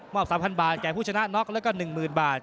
๓๐๐บาทแก่ผู้ชนะน็อกแล้วก็๑๐๐๐บาท